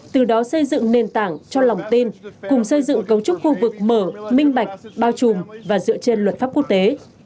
từ đó xây dựng nền tảng cho lòng tin cùng xây dựng cấu trúc khu vực mở minh bạch bao trùm và dựa trên luật pháp quốc tế